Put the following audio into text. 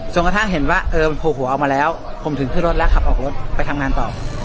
กระทั่งเห็นว่าเออโผล่หัวออกมาแล้วผมถึงขึ้นรถแล้วขับออกรถไปทำงานต่อ